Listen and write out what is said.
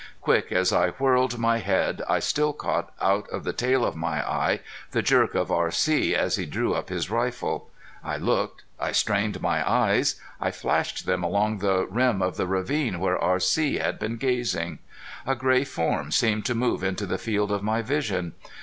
Quick as I whirled my head I still caught out of the tail of my eye the jerk of R.C. as he threw up his rifle. I looked I strained my eyes I flashed them along the rim of the ravine where R.C. had been gazing. A gray form seemed to move into the field of my vision.